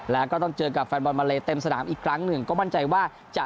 แล้วก็ต้องเจอกับแฟนบอลมาเลเต็มสนามอีกครั้งหนึ่งก็มั่นใจว่าจะ